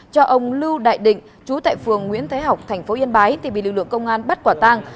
cho ông lưu đại định chú tại phường nguyễn thế học tp yên bái tìm bị lực lượng công an bắt quả tăng